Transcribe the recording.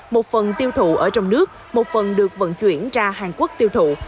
một phần tiêu thụ ở trong nước một phần được vận chuyển ra hàn quốc tiêu thụ